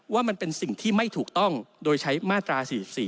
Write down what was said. ว่ามันเป็นสิ่งที่ไม่ถูกต้องโดยใช้มาตรา๔๔